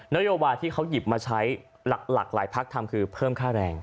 โยบาลที่เขาหยิบมาใช้หลากหลายพักทำคือเพิ่มค่าแรง